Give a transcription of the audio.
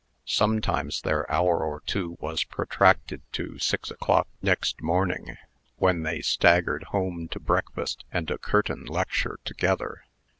Sometimes their hour or two was protracted to six o'clock next morning, when they staggered home to breakfast and a curtain lecture together.